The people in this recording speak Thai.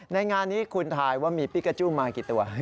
ในงานนี้คุณถ่ายว่ามีปิกาจู้มากี่ตัว